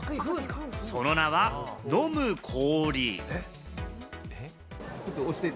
その名は飲む氷。